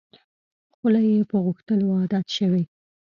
خوله یې په غوښتلو عادت شوې.